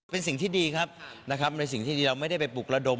เป็นสิ่งที่ดีครับนะครับในสิ่งที่ดีเราไม่ได้ไปปลุกระดม